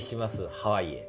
ハワイへ！」